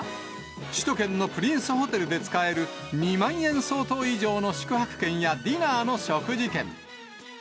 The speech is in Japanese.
首都圏のプリンスホテルで使える２万円相当以上の宿泊券やディナーの食事券。